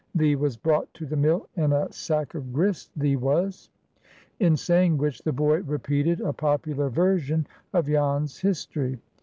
Thee was brought to the mill in a sack of grist, thee was." In saying which, the boy repeated a popular version of Jan's history.